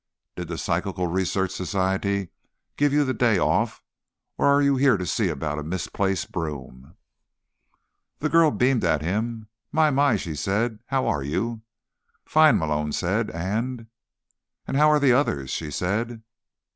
Did the Psychical Research Society give you the day off, or are you here to see about a misplaced broom?" The girl beamed at him. "My, my," she said. "How are you?" "Fine," Malone said. "And—" "And how are the others?" she said.